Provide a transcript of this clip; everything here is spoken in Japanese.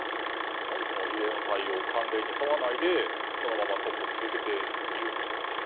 なぜ異例の対応を慣例に沿わないでそのままトップを続けているんでしょうか。